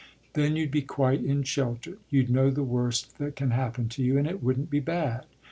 Then you'd be quite in shelter, you'd know the worst that can happen to you, and it wouldn't be bad."